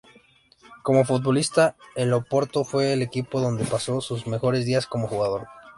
Como futbolista, el Oporto fue el equipo donde pasó sus mejores días como jugador.